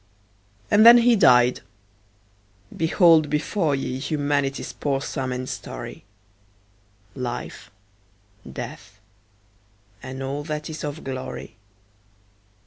And then he died! Behold before ye Humanity's poor sum and story; Life, Death, and all that is of glory.